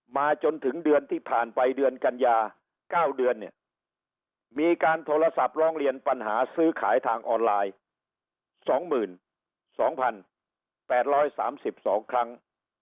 มาจนถึงเดือนที่ผ่านไปเดือนกันยา๙เดือนเนี่ยมีการโทรศัพท์ร้องเรียนปัญหาซื้อขายทางออนไลน์๒๒๘๓๒ครั้ง